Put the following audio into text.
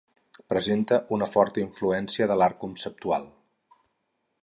Presenta una forta influència de l'art conceptual.